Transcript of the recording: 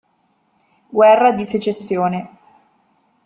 Guerra di secessione.